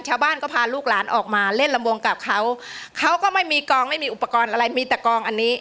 ชาวบ้านก็พาลูกหลานออกมาเล่นลำวงกับเขาเขาก็ไม่มีกองไม่มีอุปกรณ์อะไรมีแต่กองอันนี้